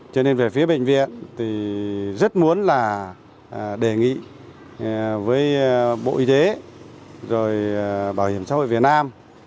cho nên về phía bệnh viện thì rất muốn là đề nghị với bộ y tế rồi bảo hiểm xã hội việt nam